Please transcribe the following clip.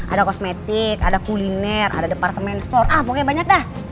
ada kosmetik ada kuliner ada departemen store ah pokoknya banyak dah